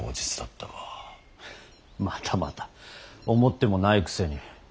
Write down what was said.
またまた思ってもないくせに。